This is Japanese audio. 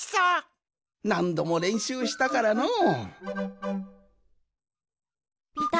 なんどもれんしゅうしたからのう。